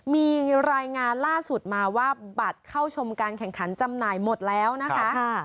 มีรายงานล่าสุดมาว่าบัตรเข้าชมการแข่งขันจำหน่ายหมดแล้วนะคะ